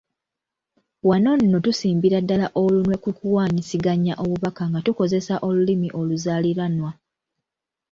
Wano nno tusimbira ddala olunwe ku kuwaanyisiganya obubaka nga tukozesa olulimi oluzaaliranwa.